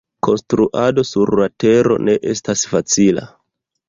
Konstruado sur la tero ne estas facila.